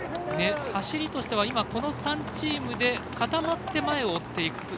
走りとしては、この３チームで固まって走っていく。